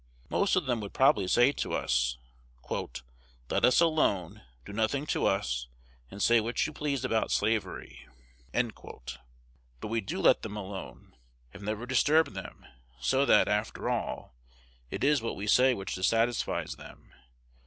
Most of them would probably say to us, "Let us alone, do nothing to us, and say what you please about slavery." But we do let them alone, have never disturbed them; so that, after all, it is what we say which dissatisfies them.